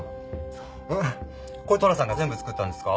えっこれ寅さんが全部作ったんですか？